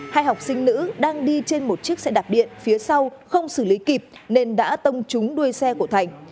hai học sinh nữ đang đi trên một chiếc xe đạp điện phía sau không xử lý kịp nên đã tông trúng đuôi xe của thành